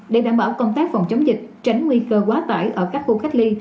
để đảm bảo công tác phòng chống dịch tránh nguy cơ quá tải ở các khu cách ly